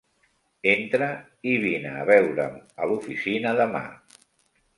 Entra i vine a veure'm a l'oficina demà.